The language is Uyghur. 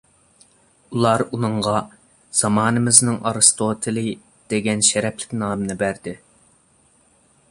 ئۇلار ئۇنىڭغا «زامانىمىزنىڭ ئارستوتىلى» دېگەن شەرەپلىك نامنى بەردى.